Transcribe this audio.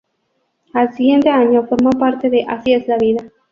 Al siguiente año formó parte de "Así es la vida".